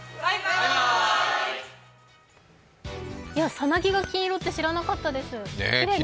さなぎが金色って知らなかったです。